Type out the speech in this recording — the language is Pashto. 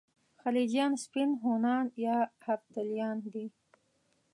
خلجیان سپین هونان یا هفتالیان دي.